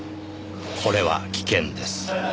「これは危険です」